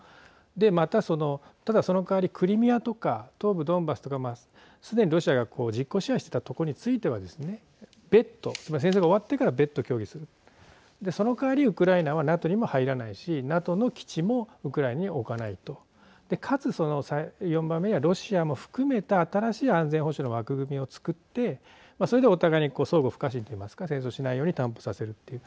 また、ただその代わりクリミアとか東部ドンバスとかすでにロシアが実効支配していた所についてはですね別途、つまり戦争が終わってから別途、協議するその代わりウクライナはＮＡＴＯにも入らないしＮＡＴＯの基地もウクライナに置かないとかつ、その４番目にはロシアも含めた新しい安全保障の枠組みを作ってそれでお互いに相互不可侵と言いますか戦争しないように担保させるという。